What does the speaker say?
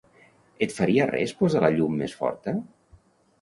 Et faria res posar la llum més forta?